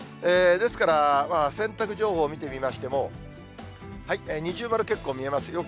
ですから、洗濯情報見てみましても、二重丸、結構見えます。